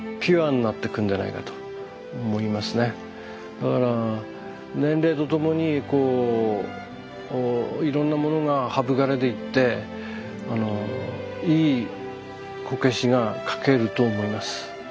だから年齢と共にこういろんなものが省かれていっていいこけしが描けると思います。